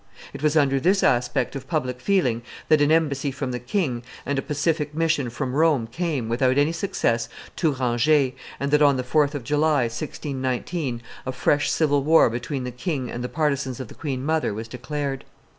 It was under this aspect of public feeling that an embassy from the king and a pacific mission from Rome came, without any success, to Rangers, and that on the 4th of July, 1619, a fresh civil war between the king and the partisans of the queen mother was declared.